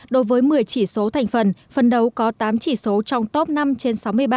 đối với một mươi chỉ số thành phần phần đấu có tám chỉ số trong top năm trên sáu mươi ba